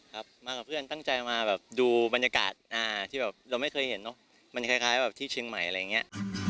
ครับมากับเพื่อนตั้งใจมาแบบดูบรรยากาศที่แบบเราไม่เคยเห็นเนอะมันคล้ายแบบที่เชียงใหม่อะไรอย่างนี้